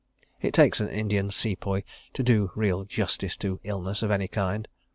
It takes an Indian Sepoy to do real justice to illness of any kind.